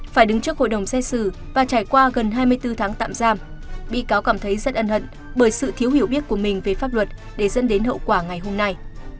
phải đứng trước hội đồng xét xử và trải qua gần hai mươi bốn tháng tạm giam bị cáo cảm thấy rất ân hận bởi sự thiếu hiểu biết của mình về pháp luật để dẫn đến hậu quả ngày hôm nay